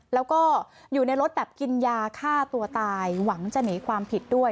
แล้วก็อยู่ในรถแบบกินยาฆ่าตัวตายหวังจะหนีความผิดด้วย